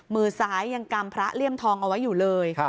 มือซ้ายยังกำพระเลี่ยมทองเอาไว้อยู่เลย